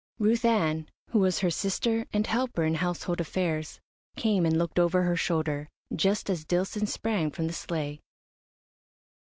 Ruth Ann, who was her sister and helper in household affairs, came and looked over her shoulder, just as Dillson sprang from the sleigh.